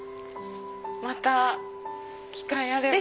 また機会あれば。